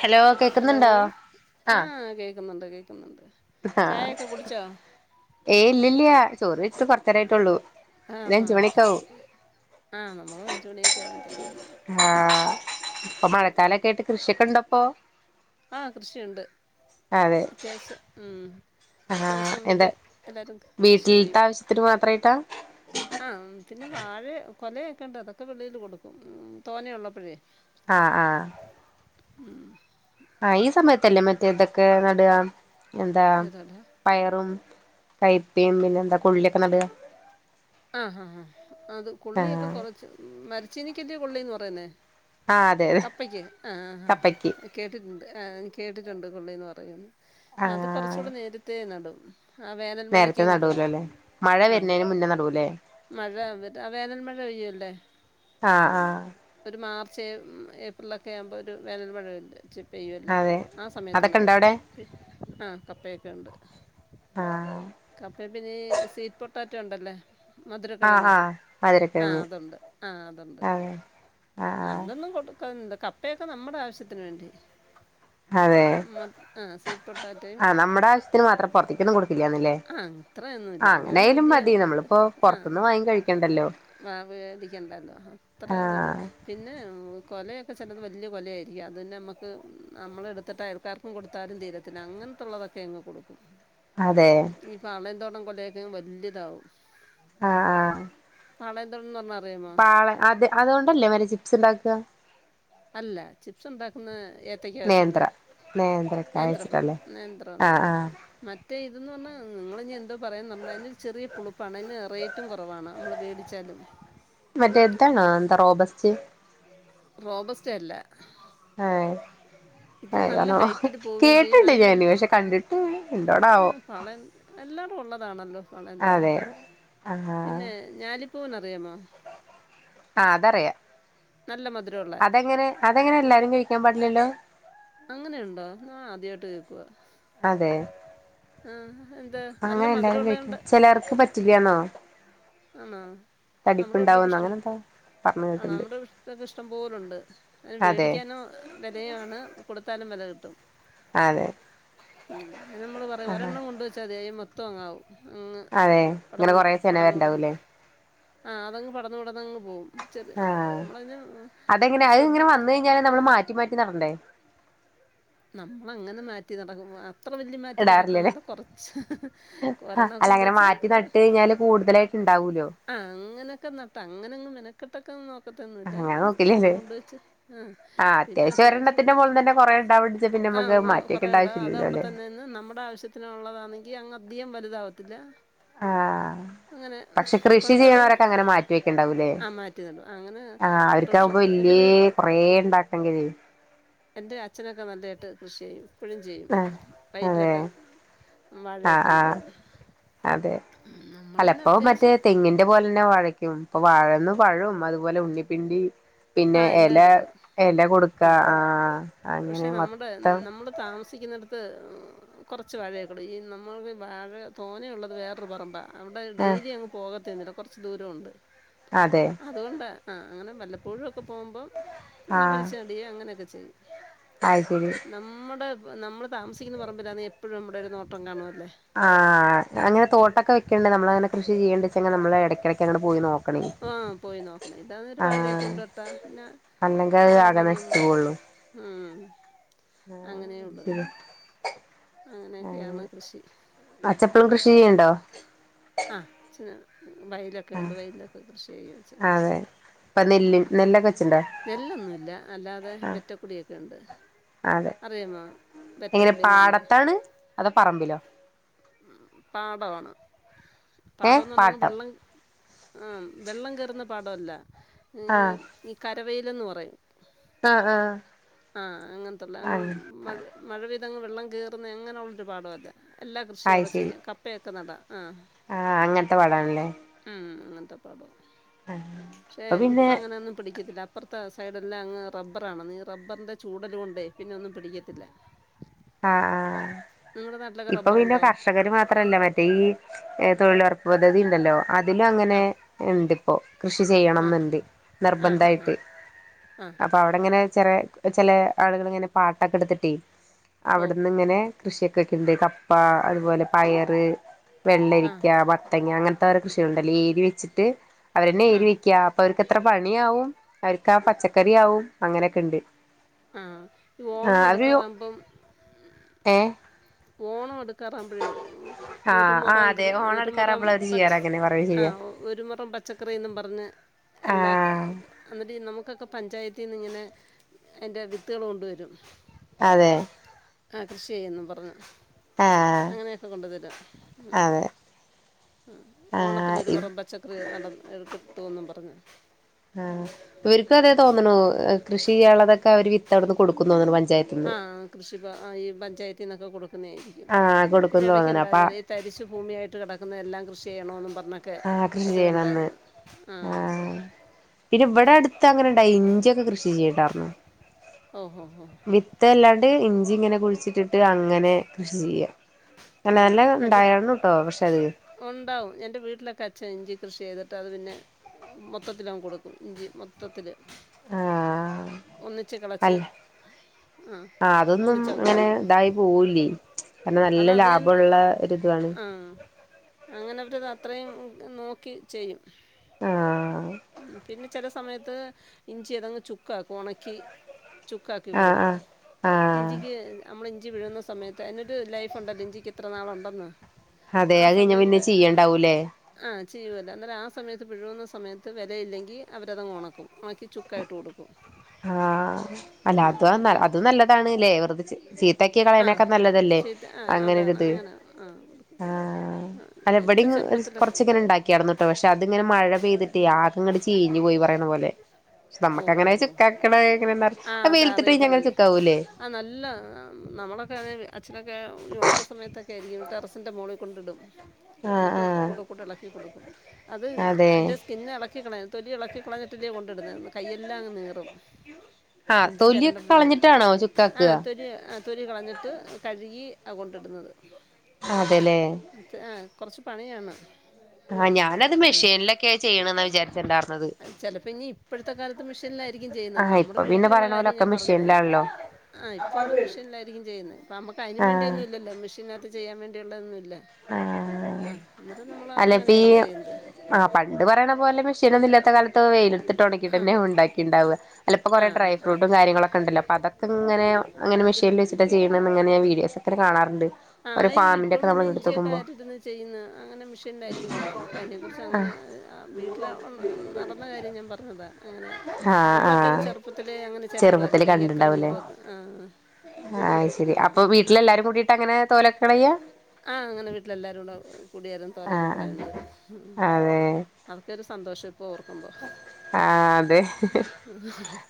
Hello hello കേക്കുന്നുണ്ടോ ആ കേക്കുന്നുണ്ട് കേക്കുന്നുണ്ട് ഹ ചായയൊക്കെ കുടിച്ചോ ഏയ്‌ ഇല്ലല്ല ചോറയ്ച്ച് കുറച്ചേനേരം ആയിട്ടൊള്ളും ഇഞ്ഞി ആഹ് അഞ്ചു ആഹ് മണി ഒക്കെ ആകും ആഹ് നമ്മള് അഞ്ച് മണിയൊക്കെ ആകും ചായ കുടിക്കാൻ ആ ഇപ്പൊ മഴക്കാലം കേട്ട് കൃഷി ഒക്കെ ഇണ്ടപ്പോ ആ കൃഷി ഉണ്ട് അത്യാവശ്യം ഉം ആ അത്യാവശ്യം എന്ത്‌ വീട്ടിൽ എല്ലാവരും കൃഷി ചെയ്യും വീട്ടിൽത്ത ആവിശ്യത്തിന് മാത്ര ആയിട്ടാ ആഹ് പിന്നെ വാഴേ കൊലയൊക്കെ ണ്ട് അതൊക്കെ കൊണ്ടോയി ഇണ്ട് കൊടുക്കും തോന ഉള്ളപ്പോയെ ആ ആ ഉം ആ ഈ സമയത്തല്ലേ മറ്റേ ഇതൊക്കെ നട എന്താ ഏതാടാ പയറും കൈപ്പേം പിന്നെന്താ കൊള്ളി ഒക്കെ നട ആ അ ആ അത് കൊള്ളിയൊക്കെ ആഹ് കുറച്ച് മ ചീനിക്കല്ലേ കൊള്ളിന്ന് പറയുന്നേ ആഹ് അതെ അതെ കപ്പക്ക് ആ ആ ആ കപ്പയ്ക്ക് ത് കേട്ടിട്ടുണ്ട് ആ ആ കേട്ടിട്ടുണ്ട് കൊള്ളിന്ന് പറയു അത് ആഹ് കുറച്ചൂടെ നേരത്തെ നടും ആ വേനൽ നേരത്തെ മഴയ്ക്ക് നടും നടൂല ല്ലേ മഴ ആ വര്ന്നെയിന് മുന്ന നടും മഴ അവര് ആ വേനൽ മഴ പെയ്യൂലെ ആഹ് ആഹ് ഒരു മാ ചേർന്ന് ഏപ്രിലൊക്കെ ആവുമ്പോ ഒരു വേനൽ മഴയുണ്ട് പെയ്യു ല്ലേ അതെ ആ സമയത്ത് അതൊക്കെ ഇണ്ടോ നടും അവിടെ ആ കപ്പ യൊക്കെ ഉണ്ട് ആഹ് കപ്പയ് പിന്നെ ഈ സീപ്പർ താറ്റ് കണ്ടല്ലേ മധുര ആഹ് കിഴങ് ആഹ് ആ മധുരക്കിഴങ്ങ് അതുണ്ട് ആ അതുണ്ട് അതെ ആഹ് അതൊന്നും കൊടുക്കാൻ കപ്പ യൊക്കെ നമ്മുടെ ആവിശ്യത്തിന് വേണ്ടി അതെ മ ആ സ്വീറ്റ് പൊട്ടാറ്റോയും ആ നമ്മുടെ ആവിശ്യത്തിന് മാത്രം പൊർത്തേക്കൊന്നും കൊടുക്കില്ലാന്ന് ആ അത്രയൊന്നും ഇല്ല അങ്ങനെ വല്ല്യ മതി നമ്മളിപ്പോ ആ പുറത്തുന്ന് വാങ്ങി കഴിക്കണ്ടല്ലോ വാവ് വേദിക്കണ്ടല്ലോ അത്രതൊള്ള് ആഹ് പിന്നെ കൊല യൊക്കെ ചിലത് വല്ല്യ കൊല ആയിരിക്കും അതന്നെ നമ്മക്ക് നമ്മള് എടുത്തിട്ട് അയൽക്കാർക്കും കൊടുത്താലും തീരത്തില്ല അങ്ങൻത്തുള്ളതൊക്കെ അങ്ങ് കൊടുക്കും അതെ ഈ പാളയൻതോട കൊലയൊക്കെ അങ്ങ് വല്ല്യതാവും ആ ആ നാളെ എന്താന്ന് റഞ്ഞാൽ പാളെ അതെ അതോണ്ടല്ലേ വര് ചിപ്സ് ഉണ്ടാക്ക അല്ല ചിപ്സ് ഉണ്ടാക്കുന്ന ഏത്തയ്ക്ക വെച്ചല്ലേ നേന്ത്ര നേന്ത്രക്കായ നേന്ത്രപ്പഴ വെച്ചിട്ടല്ലേ നേന്ത്രം ന്ന് ആഹ് റയുന്ന ആഹ് മറ്റേ ഇതെന്ന് പറഞ്ഞാൽ നിങ്ങൾ ഇനി എന്തോ പറയെന്ന് പറഞ്ഞാൽ അതിന് ചെറിയ പുളുപ്പാണ് അതിന് റേറ്റും കുറവാണ് നമ്മള് മേടിച്ചാലും മറ്റേ താണാ എന്താ റോബസ്റ്റ് റോബസ്റ്റ അല്ല ആ ഇത് നല്ല കണോ ഹൈറ്റിൽ പോവുകയും ചെയ്യും കേട്ടിണ്ട് അതിന് ഞാന് വലിയ പക്ഷേ കണ്ടിട്ട് എന്തോടാവോ അന്ന് പളയൻ എല്ലായിടും ഉള്ളതാണല്ലോ പളയൻ്റെ കൂടെ അതെ ആ [unintelligible] റിയാമോ ആ അതറിയാം മധുരമുള്ള അതെങ്ങനെ അതെങ്ങനെ എല്ലാരും ചോയിക്ക ഞാൻ പാടില്ലല്ലോ അങ്ങനെയുണ്ടോ നാ ആദ്യമായിട്ട് കേൾക്കുവാ അതെ എന്ത് നല്ല അങ്ങനെ എല്ലാരും ചോയ്ക്കാം മധുരമുള്ളതുണ്ട് ചിലർക്ക് പറ്റില്ലെന്നോ ആണോ നമ്മുടെ വീട്ടിലൊക്കെ ഇഷ്ടം അങ്ങനെന്തോ പറഞ്ഞു ആണോ കേട്ടിണ്ട് നമ്മുടെ വീട്ടിലൊക്കെ ഇഷ്ടംപോലുണ്ട് അന് അതെ വേടിക്കാനോ വിലയാണ് കൊടു സ്ഥലം വില കിട്ടും അതെ ഉം അയിന് നമ്മള് പറയും ആഹ് ഒരെണ്ണം കൊണ്ട് വച്ചാൽ അയ്മ തോങ്ങൗ അതെ ഇങ്ങനെ കൊരെ പടന്ന് ചെനവരുണ്ടാവൂല്ലേ ആ അതങ്ങ് പടന്ന് പടന്ന് അങ്ങ് പോകും ആ അതെങ്ങനെ അത് ശ്രദ്ധി ഇങ്ങനെ വന്ന കഴിഞ്ഞാല് നമ്മള് മാറ്റി മാറ്റി നടണ്ടേ നമ്മഅങ്ങനെ മാറ്റി നടക്കുമ അത്ര വലിയ മാറ്റി ഇടാറില്ലല്ലേ നടക്കുവന്നില്ല കൊറച്ച് ആ കൊരണ്ണൊക്കെ അല്ല കൊണ്ട് അങ്ങനെ വച്ച് മാറ്റി പിന്ന നട്ട് കഴിഞ്ഞാല് കൂടുതലായിട്ട് ഇണ്ടാവൂലോ ആ അങ്ങനെയൊക്കെ നട്ട അങ്ങനെങ്ങ് മെനക്കെട്ട [unintelligible] പക്കത്തൊന്നുംല്ല അങ്ങനെ ഒർണം നോക്കില്ലല്ലേ കൊണ്ട് വെച്ച് ആ ആഹ് പിന്നെ അത്യാവശ്യം ഒരെണ്ണത്തിന്റെ മോളിൽ തന്നെ കൊറേ ഉണ്ടാവണ്ട്ച്ച പിന്നെ ആ നമുക്ക് കൊ മാറ്റിവെക്കേണ്ട കൊറേണ്ട അത് ആവശ്യല്ലല്ലോ അവിടെ അല്ലേ തന്നെന്ന് നമ്മുടെ ആവശ്യത്തിന് ഉള്ളതാണെങ്കി അങ്ങ് അധികം വലുതാവത്തില്ല ആ അങ്ങനെ പക്ഷേ കൃഷി കുഴപ്പമില്ല ചെയ്യണവരൊക്കെ അങ്ങനെ മാറ്റി വെക്ക്ണ്ടാവൂല്ലേ ആ മാറ്റി നടും അങ്ങനെ ആ പ്രൊഫഷൻ അവർക്കാവുമ്പോ എൻ്റെ വല്ല്യേ വീട്ടിൽ കൊറേ ഉണ്ടാക്കെങ്കിൽ എന്റെ അച്ഛനൊക്കെ നല്ല ട്ട് കൃഷി ചെയ്യും ഇപ്പോഴും ചെയ്യും ആ അതെ വയലിലൊക്കെ ആ വാഴയൊക്കെ ആ നടും അതെ നമ്മൾ പിന്നെ അല്ലപ്പോ മറ്റേ അത്യാവശ്യം തെങ്ങിന്റെ പോലെന്നെ വാഴക്കും അപ്പൊ വാഴന്ന് പഴവും അതുപോലെ ഉണ്ണിപ്പിണ്ടി ആ പിന്നെ എല്ലാം എല എടുക്കും എല കൊടുക്ക ആ അങ്ങനെ മൊത്തം സിക്കുന്നിടത്ത് കുറച്ച് വാഴയൊക്കെള്ളു ഈ നമ്മൾക്ക് വാഴ തോനേ ഉള്ളത് വേറൊരു പറമ്പാണ് അവിടെ ആഹ് ഡെയിലി അങ്ങ് പോകത് [unintelligible] കുറച്ച് ദൂരോണ്ട് അതെ അതുകൊണ്ട ആ അങ്ങനെ വല്ലപ്പോഴും പ്പ പോകുമ്പോം ആഹ് [unintelligible] ച്ചടിയ അങ്ങനെയൊക്കെ ശെരി അത് ശരി നമ്മുടെ നമ്മൾ താമിക്കുന്നപറമ്പിലാന്നെഎപ്പോഴും നമ്മുടെ ഒരു നോട്ടം കാണുഅല്ലോ ആഹ അങ്ങനെ തോട്ടൊക്കെ വെക്കണ്ടെനമ്മ നമ്മളങ്ങനെ കൃഷിചെയ്യേണ്ടെച്ച നമ്മളേടക്കെടക്കങ്ങട്ട് പോയി നോ ആ പോയി നോക്കണം ഇതതേരുവാഴയെ ആഹ് കൊണ്ടുനട്ടാ പിന്നെ അല്ലെങ്കിൽ അത് ആകെ അതവിടന്ന് നശിച്ചു പോവുള്ളൂ അങ്ങനെയുള്ളു ശരി അങ്ങനെയൊക്കെയാണ് കൃഷി യിപ്പ കൃഷി ചെയ്യണ്ടോ ആ ച വയലൊക്കെ ആ ഉണ്ട് വയലിലൊക്കെ കൃഷി ചെയ്യുഅച്ഛൻ അതെ ഇപ്പൊ നെല്ല് ഉം നെല്ലൊക്കെ വെച്ചിണ്ടോ നെല്ലൊന്നുല്ല അല്ലാതെ ആ വെറ്റക്കുടിയോക്കെ ഉണ്ട് അതെ അറിയമോ എങ്ങനെ വെററക്കുടന്ന് പറഞ്ഞാ പാടത്താണ് അതോ പറമ്പിലോ ഉം പാടാണ് ഏ പാടംന്നർഞ പാട്ടം വെള്ളം ആ വെള്ളം കേറുന്ന പാടൊല്ല ഈ ക ഒറ്റവെയിലെന്ന് പറയും ആഹ് ആഹ ആ അങ്ങൻത്തുള്ള അങ്‌ മഴ മഴ വ ങ് വള്ളം കേറുന്നെ അങ്ങനെയുള്ളൊരു പാടവല്ല എല്ലാ കൃഷിയവിടെ ചെയ്യാം കപ്പയൊക്കെ നടാ ആഹ് ആഹ അങ്ങൻത്തെ പാടാണല്ലേ ഉം അങ്ങൻത്തെ പാടം ക്ഷേ അപ്പൊ പിന്നെ ഇപ്പൊ അങ്ങനൊന്നും പിടിക്കത്തില്ല അ പ്പർത്തെ സൈഡ് എല്ലാം അങ് റബ്ബറാണ് നീർ റബ്ബർന്റെ ചൂടല് കൊണ്ടെ പിന്നെ ഒന്നും പിടിക്കത്തില്ല ആ ആ നിങ്ങളുടെ നാട്ടിലൊക്കെ ഇപ്പൊ പിന്നെ റബ്ബറുണ്ടോ കർഷകര് മാത്രല്ല മറ്റേ ഈ എ തൊഴിലൊറപ്പ് പദ്ധതിണ്ടല്ലോ അതിലും അങ്ങനെ ആഹ് ഇണ്ട് ഒ കൃഷി ആഹ് ചെയ്യണന്നുണ്ട് ആഹ് നിർബന്ധയിട്ട് ആഹ് ആഹ് ആഹ് അപ്പൊ അവിടെങ്ങനെ ചെറ ചെലെ ആളുകൾ ഇങ്ങനെ പാട്ടം ഒക്കെ എടുത്തിട്ടെ ഓ അവിടുന്ന് ഇങ്ങനെ കൃഷിയൊക്കെ വിക്ക്ൻണ്ട്. കപ്പ അതുപോലെ പയറ് വെള്ളരിക്ക, ആഹ് വത്തങ്ങ അങ്ങ [unintelligible] കൃഷിയുണ്ടല്ലേ ഏതി വെച്ചിട്ട് അവരന്നെ ആഹ് ഏരിവെക്കുക അപ്പൊ അവർക്ക് അത്ര പണിയാവും അവർക്ക് ആ പച്ചക്കറി ആവും അങ്ങനെയൊക്കെണ്ട് ആഹ് ഈ ഓണം അടുക്കാറാകുമ്പം ഏഹ് ഓണം അടു അടുക്കാറാവുമ്പോഴേ ആ ആ അതെ ഹോൺ ഒരു അടക്കാറാവുമ്പോൾ അവര് ചെയ്യാറ് അങ്ങനെ പറയും ശരിയാ മുറം പച്ചക്കറിയെന്നും പറഞ്ഞ് എല്ലാ ആ എന്നിട്ട് നമുക്കൊക്കെ പഞ്ചായത്തിന്നിങ്ങനെ അതിൻ്റെ വിത്തുകൾ കൊണ്ടുവരും അതെ ആ കൃഷി ചെയ്യെന്നും പറഞ്ഞു ആ [inaudible] അങ്ങനെയൊക്കെ കൊണ്ടു തരാം അതെ ഓണത്തിനൊരു ആ മുറം പച് [unintelligible] അത് കിട്ടുവെന്നും പറഞ്ഞ് ആഹ് ഇവർക്കും അതെ തോന്നണു കൃഷി ചെയ്യാനുള്ളതൊക്കെ അവർക്ക് അവിടുന്ന് കൊടുക്കുന്നുന്ന് പൻ ആഹ് കൃഷിഭ ഈ പ ഞ്ചായത്തീന്ന് ഒക്കെ കൊടു ആഹ് കൊടുക്കുന്ന് തോന്നണു അപ്പ ഇതിനിടക്കുണ്ടായിരുന്നല്ലോ ഈ തരിശ് ഭൂമി ആയിട്ട് കിടക്കുന്നതെല്ലാം കൃഷി വേണോന്ന് ആഹ് കൃഷി ചെയ്യണമെന്ന് ആ പിന്നെ ഇവിടെ അടുത്ത് അങ്ങനെ ഉണ്ടായി ഇഞ്ചിയൊക്കെ കൃഷി ചെയ്യട്ടാന്ന് ഓഹോ ഇത് ഇഞ്ചി ഇങ്ങനെ കുഴിച്ചിട്ടട്ട് അങ്ങനെ കൃഷി ചെയ്യാ നല്ല ആ നല്ല എൻ്റെ ഉണ്ടായിരുന്നു ട്ടോ പക്ഷേ അതില് ഉണ്ടാവും എൻ്റെ വീട്ടിലൊക്കെ ഇഞ്ചി കൃഷി ചെയ്തിട്ട് അത് പിന്നെ മൊത്തത്തിൽ അങ്ങ് കൊടുക്കും ഇഞ്ചി മൊത്തത്തില് കിളച്ച് ആഹ് ആ അതൊന്നും ഒന്നിച്ചങ്ങ് ഇങ്ങനെ കൊടുക്കും ഇതായി പോവില്ലേ കാരണം നല്ല ലാഭം ആഹ് [unintelligible] പറയും നോക്കി ചെയ്യും ആഹ് ഉ പിന്നെ ചില സമയത്ത് ഇഞ്ചി തെങ്ങ് ചുക്ക ഉണക്കി ചുക്കാക്കി ആഹ് കൊടുക്കും ആഹ് ആഹ് ഇചിക്ക് നമ്മൾ ജ വീഴുന്ന സയത്ത് എന്നൊരു ലൈഫുണ്ടല്ലെഞ്ചി- എത്ര നാള ഉണ്ടന്ന് അതെ ആ അത് കഴിഞ്ഞ സമയം പിന്നെ ചെയ്യണ്ടാവൂലേ ആ ചെയ്യുവല്ലേ അന്നേരം ആ സമയത്ത് പിഴുന്ന സമയത്ത് അത്തിനു വിലയില്ലെങ്കിൽ അവര അത്ങ് ഉണക്കും ഉണക്കി ചുക്കായിട്ട് കൊടുക്കും ആഹ അല്ല ആ അങ്ങ അതും നല്ലതാണ്ല്ലേ വെറതെ ചീത്താക്കിയ ആ കളയണൊക്കെ നല്ലതല്ലേ ചീത്ത ആ അങ്ങനെ അതാണ് അങ്ങനെ ആ കൊടുക്കും ആ ഇവിടെ എൻ്റെ ഇങ്ങനെ ചെറുപ്പത്തിലൊ കൊറച്ചങ്ങനെ ഉണ്ടാക്കിന്നട്ടോ പക്ഷെ അതിങ്ങനെ മഴ പെയ്തിട്ട അങ്ങ് ചീഞ്ഞഞ് പോയി പറയണ പോലെ പക്ഷെ ഓ നമ്മക്കങ്ങനെ ഹോഹോ ചുക്കാക്കണ എങ്ങനെന്ന ആഹ അത് അതാ വെയിലത്തിട്ട് കഴിഞ്ഞാ അങ്ങനെ അറിയത്തില്ലല്ലേ ചുക്കാവൂല്ലേ ആ നല്ല നമ്മളൊക്കെ [inaudible] അച്ഛനൊക്കെ ഉണക്ക സമയത്തൊക്കെ ഇരിക്ക ടെറസിൻ്റെ മോളിലൊക്കെ കൊണ്ടിടും ആഹ് എന്നിട്ട് ആഹ് കൂടെ കൂടെ ഇളക്കി കൊടുക്കും അത് അതെ അതിൻ്റെ സ്കിന്ന ഇളക്കിക്കണ തോലി ഇളക്കി കളഞ്ഞിട്ടു അല്ലിയോ കൊണ്ടിടുന്നത് കൈ എല്ലാം അങ്ങ് നീറും ആഹ് ഇഞ്ചി തൊലിയൊക്കെ ചരണ്ടപ്പോഴേ കളഞ്ഞിട്ടാണോ ആ ചുക്കാക്കുക കളഞ്ഞിട്ട് കഴുകി കൊണ്ടിടുന്നത് അതെ അല്ലെ കൊറച്ച് പണിയാണ് ആഹ ഞാനത് മെഷീനിലൊക്കെയ ചെയ്യണ എന്നാ വിചാരിച്ചണ്ടായിർന്നത് അത് ചിലപ്പോൾ ഇനി ഇപ്പോഴത്തെ കാലത്ത് മെഷീനിലായിരിക്കും ചെയ്യുന്നത് നമ്മുടെ പിന്നെ വീട്ടിലുള്ള പറയണ പോലെ കാര്യം ഒക്കെ ഞാൻ പറഞ്ഞതാണ് മെഷീനിലാണല്ലോ ആ ഇപ്പൾ അത് മെഷീനിലായിരിക്കും ചെയ്യുന്നത് ഇപ്പോം നമുക്ക് അതിനന് ആഹ് വേണ്ടിയൊന്നും ഇല്ലല്ലോ മെഷീനകത്ത് ചെയ്യാൻ വേണ്ടിയുള്ളതന്ന ആ അല്ലങ്കിൽ അങ്ങനെയായിരുന്നു ചെയ്യുന്നത് പണ്ട് പറയണ പോലെ മെഷീനൊന്നുമല്ലാത്ത കാലത്ത് വെയിലത്ത് ഇട്ട് ആ ഉണക്കിയിട്ട്ന്നെ ഉണ്ടാക്കി ഉണ്ടാവുക അതിപ്പോൾ ആ കുറെേ ഡ്രൈ ആ ഫ്രൂട്ടും കാര്യങ്ങളൊക്കെ ഉണ്ടല്ലോ അപ്പ അതക്കെ ഇങ്ങനെ അങ്ങെ മെഷീൽ വച്ചിട്ട് ചെയണ എന്ന്ങ്ങനെഞാ വീഡോ ഒക്കെ കാണാുണ്ട് ആയിരിക്കും ഇപ്പം പിന്നെ ഇഞ്ചി - ആവിശ്യത്തിന് ചെയ്യുന്നത് അങ്ങനെ മെഷീനിലായിരിക്കും ചെയ്യുന്നത് നമുക്ക അതിനെക്കുറിച്ച് അങ്ങനെ ആഹ് വീട്ടിൽ നടന്ന കാര്യം ഞാൻ അറിഞ്ഞതാ പറഞ്ഞതാ അങ്ങനെ ആഹ നമ്മളൊക്കെ ആഹ ചെറുപ്പത്തിലേ അങ്ങനെ ചുരണ്ടുമായിരുന്നു ചെറുപ്പത്തില്ൽ കയ്യൊക്കെ കണ്ടിണ്ടാവൂല്ലേ നീറുന്നു ആ ആഹ് ശരി ആ അപ്പൊ വീട്ടില എല്ലാരും കൂടിീട്ട് അങ്ങനെ തോല- കടയ [unintelligible] ആഹ് അങ്ങനെ വീട്ടില എല്ലാരും കൂടെ കുടിയോരം തോരൊക്കെ ആഹ് കുളയുന്നത് അതൊക്കെ ഒരു സന്തോഷം ഇപ്പോ ഓർക്കുമ്പോ ആ അതെ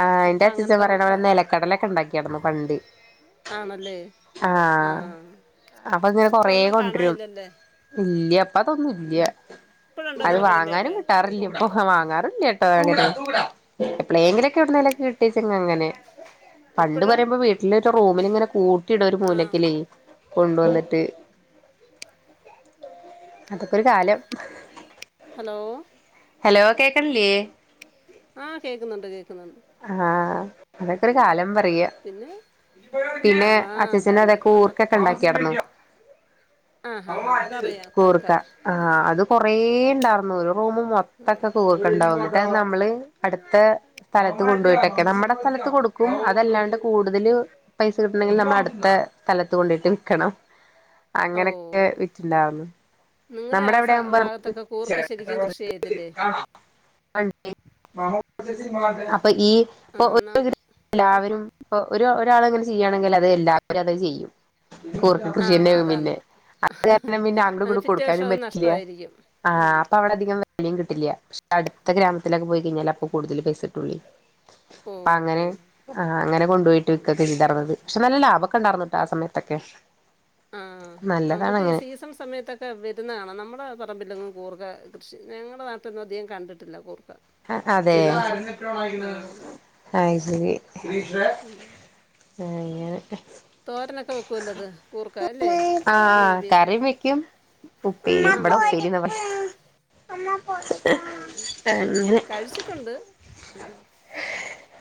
ആ എന്റെ ഇപ്പൊ അച്ചച്ചൻ അങ്ങനത്തെ പറയണടെെ നിലക്കടലൊക്കെ ഉണ്ടാക്കിന്നു പണ്ട് ആണല്ലേ ആഹ ആഹ് അപ്പൊ ഇങ്ങനെ ഇപ്പൊ കൊറ ഒന്നും കൊണ്ടരും കാണാനില്ലല്ലേ ഇല്ലപ്പ അതൊന്നുമില്ല ഇപ്പഴുണ്ടോ അത് വാങ്ങാനും നിലക്കടലയൊക്കെ കിട്ടാറില്ലേ ഇപ്പൊ വാങ്ങാറില്ല [unintelligible] പ് എങ്കിലൊക്കെ എവിടേലൊക്കെ കിട്ടച്ചെ അങ്ങനെ പണ്ട് ഇപ്പഴോ പറയുമ്പോ വീട്ടിലരു റൂമിലിങ്ങനെ കൂട്ടിട ഒരു ആഹ് മൂലക്കലെ കൊണ്ടുവന്നിട്ട് അതൊക്കെരു കാലം ഹലോ ഹലോ കേക്കണല്ല്യേ ആഹ് കേൾക്കുന്നുണ്ട് കേൾക്കുന്നുണ്ട് ആ അതൊക്കെ ഒരു ഉം കാലം പറയ പിന്നെ പിന്നെ ആണാ അച്ചച്ചന അതാണ് അതൊക്കെ അന്ന ഊർക്കൊക്കെ ഉണ്ടാക്കിന്നു ആഹ് ഹാ ഹാ അതറിയാം കൂർക്ക കൂർക ആഹ അത് കൊറേ ഉണ്ടായിർന്ന പോല മൊത്തൊക്കെ കൂർക്ക ഉണ്ടാവുന്നു അന്നിട്ടു അത് നമ്മള് അടുത്ത..... സ്ഥലത്ത് കൊണ്ടുപോയിട്ടൊക്കെ നമ്മുടെ സ്ഥലത്ത് കൊടുക്കും അതല്ലാണ്ട് കൂടുതൽ പൈസ കിട്ടണെങ്കിൽ നമ്മ അടുത്ത സ്ഥലത്ത് കൊണ്ടയിട്ട് വിക്കണം ഓ അങ്ങനൊക്കെ വിറ്റുണ്ടാവു നിങ്ങളുടെ നമ്മുടെ ആ സ- എവിടെയാകുമ്പോമുക്ക് ഭാഗത്തൊക്കെ കൂർക്ക ശരിക്കും കൃഷി ചെയ്തില്ലേ അപ്പൊ ഈ ആഹ് ന ഇപ്പ്ര എല്ലാവരും ഒരാളെ ചെയ്യയാണെങ്കിൽ അത് എല്ലാവരും അത് ചെയ്യും കൂർക്ക ആ കൃഷി തന്നെയാവും അതാണ്. പിന്നെ അാഅതുകാരണം അത് അങ്ങട്ട്കൂടി പിറ്റേ വർഷം കൊടുക്കും അത് ട്ടില്ല നഷ്ടമായിരിക്കും. ആ അപ്പൊ അവിടെ അധികം കിട്ടില്ല അടുത്ത ഗ്രാമത്തിൽ പൊയ്ക്കഴിഞ്ഞാൽ അപ്പൊ കൂടുതൽ ബസ് കിട്ടുള്ളു അങ്ങനെ ഓഹ്! അങ്ങനെ കൊണ്ടോയിട്ട് വികായ്യ്കാരം ല്ലെ ശേ നല്ല ലാഭം ഇണ്ടാരുന്നോട്ടാ അ ആ സമയത്തൊക്കെ ആ നല്ലതാണ് നമുക്ക് അങ്ങനെ സീസൺ സമയത്തൊക്കെ.... ട്ട് ന്നാണ് ഞങ്ങളെ പറമ്പിൽ കൂർക്ക കൃഷി ഞങ്ങടെ നാട്ടില് അധികം കണ്ടിട്ടില്ല കൂർക്ക അ അതെ ചെയ്യുന്നത്. ആ. അയ്ശരി. ദീഷേ തോരനൊക്കെ വെക്ക്വല്ലോത് കൂർക്ക, അല്ലേ തോരനു ആഹ് അവിയൽ, കറിയും വെക്കും ഉപ്പേരി ഇവിടെ ആണല്ലേ? ഉപ്പേരിന്നാ പറയാ [unintelligible] കഴിച്ചിട്ടൊണ്ട് ഉം.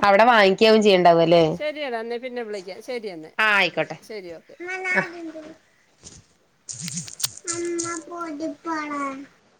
അവിടെ വാങ്ങിയ്‌ക്കാവും ചെയ്യണ ശരിയടാന്നെ. പിന്നെ വിളിക്ക. ശരി എന്ന ആഹ് ആയിക്കോട്ടെ ശരി ഓക്കെ. [inaudible]